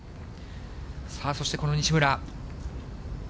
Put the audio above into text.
そしてこの西村。